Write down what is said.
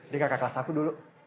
di kakak kelas aku dulu